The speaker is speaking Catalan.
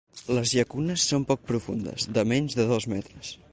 Les llacunes són poc profundes, de menys de dos metres.